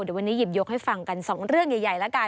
เดี๋ยววันนี้หยิบยกให้ฟังกันสองเรื่องใหญ่แล้วกัน